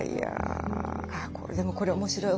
でもこれ面白い。